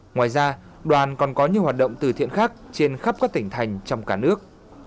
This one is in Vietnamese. ngoài ra đoàn còn có nhiều hoạt động từ thiện khác trên khắp các tỉnh thành trong cả nước